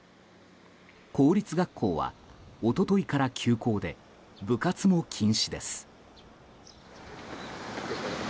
公立学校は一昨日から休校で部活も禁止です。